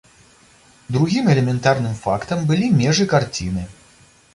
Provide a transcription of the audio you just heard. Другім элементарным фактам былі межы карціны.